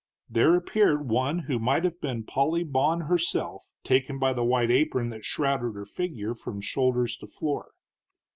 There appeared one who might have been Polly Bawn herself, taken by the white apron that shrouded her figure from shoulders to floor.